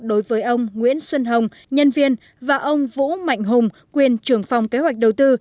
đối với ông nguyễn xuân hồng nhân viên và ông vũ mạnh hùng quyền trưởng phòng kế hoạch đầu tư